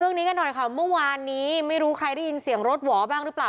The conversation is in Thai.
เรื่องนี้กันหน่อยค่ะเมื่อวานนี้ไม่รู้ใครได้ยินเสียงรถหวอบ้างหรือเปล่า